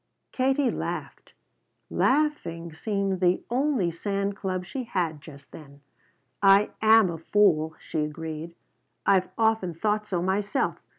Katie laughed. Laughing seemed the only sand club she had just then. "I am a fool," she agreed. "I've often thought so myself.